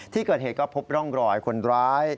ที่เกิดเหตุก็พบร่องรอยคนร้าย